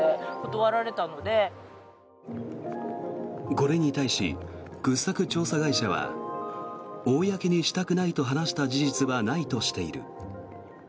これに対し、掘削調査会社は公にしたくないと話した事実はないとしている。